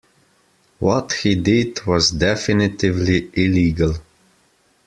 What he did was definitively illegal.